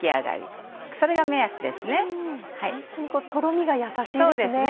ホントにとろみがやさしいですね。